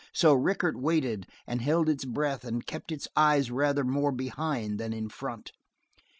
So Rickett waited, and held its breath and kept his eyes rather more behind than in front.